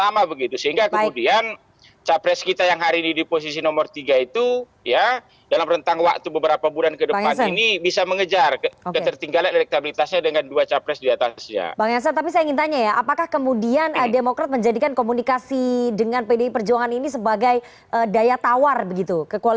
membahas soal pilpres terlalu kecil